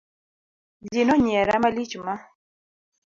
Ji nonyiera malich ma.